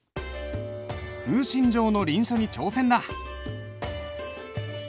「風信帖」の臨書に挑戦だ。